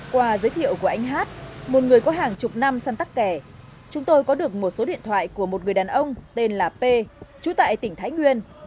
qua giới thiệu của anh hát một người có hàng chục năm săn tắc kẻ chúng tôi có được một số điện thoại của một người đàn ông tên là p chú tại tỉnh thái nguyên